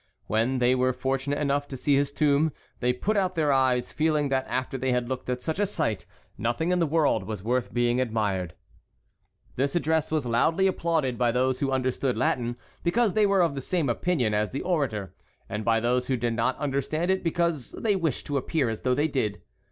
When they were fortunate enough to see his tomb, they put out their eyes, feeling that after they had looked at such a sight, nothing in the world was worth being admired. This address was loudly applauded by those who understood Latin because they were of the same opinion as the orator, and by those who did not understand it because they wished to appear as though they did.